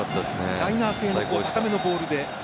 ライナー性の高めのボールで。